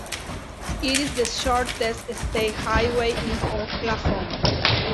It is the shortest state highway in Oklahoma.